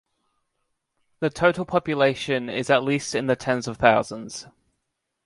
The total population is at least in the tens of thousands.